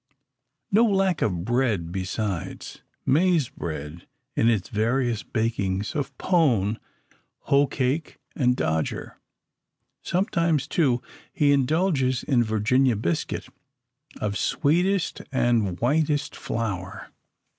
No lack of bread besides maize bread in its various bakings of "pone", "hoe cake," and "dodger." Sometimes, too, he indulges in "Virginia biscuit," of sweetest and whitest flour.